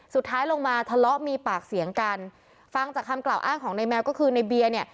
สุดท้ายลงมาทะเลาะมีปากเสียงกันฟังจากคำกล่าวอ้างของในแมวก็คือในเบียร์เนี่ย